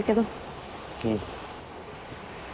うん。